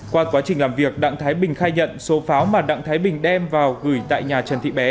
qua quá trình làm việc đặng thái bình khai nhận số pháo mà đặng thái bình đem vào gửi tại nhà trần thị bé